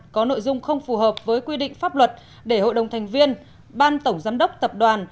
có nội dung không phù hợp với quy định pháp luật để hội đồng thành viên ban tổng giám đốc tập đoàn